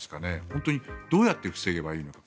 本当にどうやって防げばいいのか。